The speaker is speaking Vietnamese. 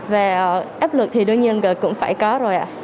và áp lực thì đương nhiên là cũng phải có rồi ạ